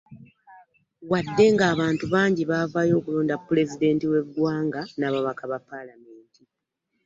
Wadde nga abantu bangi baavaayo okulonda pulezidenti w'eggwanga n'ababaka ba palamenti